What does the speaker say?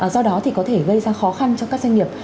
do đó thì có thể gây ra khó khăn cho các doanh nghiệp